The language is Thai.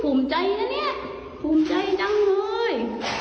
ภูมิใจนะเนี่ยภูมิใจจังเลย